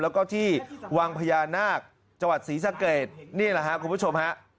แล้วก็ที่วังพญานาคจังหวัดศรีสะเกดนี่แหละครับคุณผู้ชมฮะ